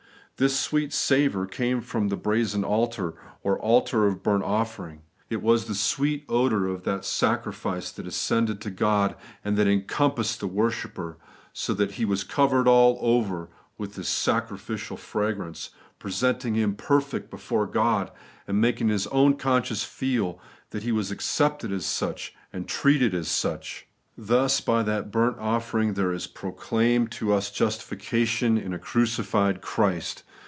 This sweet savonr came from the brazen altar, or altar of bnmt offering. It was the sweet odonr of that sacrifice that ascended to God, and that encompassed the worshipper, so that he was covered all over with this sacrificial firagrance, presenting him perfect before God, and making his own conscience feel that he was accepted as such, and treated as such. Thus, by that burnt offering there is proclaimed to ns justification in a crucified Christ.